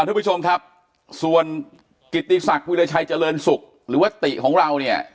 ทุกผู้ชมครับส่วนกิติศักดิราชัยเจริญศุกร์หรือว่าติของเราเนี่ย